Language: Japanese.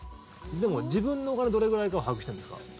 でも、自分のお金どれぐらいかは把握してるんですか？